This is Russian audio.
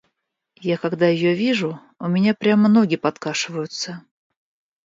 Я когда ее вижу, у меня прямо ноги подкашиваются.